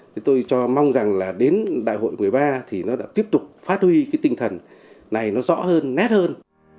thì tôi cho mong rằng là đến đại hội một mươi ba thì nó đã tiếp tục phát huy cái tinh thần này nó rõ hơn nét hơn